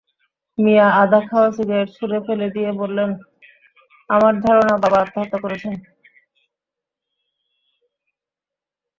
মিয়া আধা-খাওয়া সিগারেট ছুঁড়ে ফেলে দিয়ে বললেন, আমার ধারণা বাবা আত্মহত্যা করেছেন।